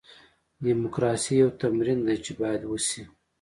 ډیموکراسي یو تمرین دی چې باید وشي.